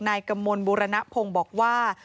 กมลบุรณพงศ์บอกว่า